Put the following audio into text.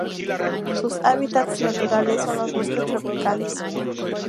Sus hábitats naturales son los bosques tropicales.